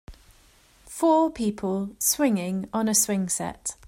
Four people swinging on a swing set.